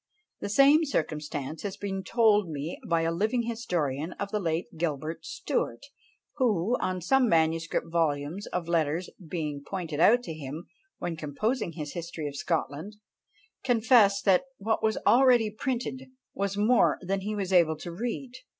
The same circumstance has been told me by a living historian of the late Gilbert Stuart; who, on some manuscript volumes of letters being pointed out to him when composing his history of Scotland, confessed that "what was already printed was more than he was able to read!"